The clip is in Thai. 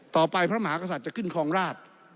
พระมหากษัตริย์จะขึ้นครองราช